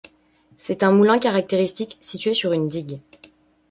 C'est un moulin caractéristique situé sur une digue.